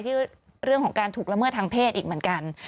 เรื่องของการถูกละเมิดทางเพศอีกเหมือนกัน